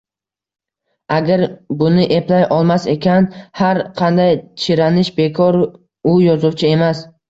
Agar buni eplay olmas ekan, har qanday chiranish bekor u yozuvchi emas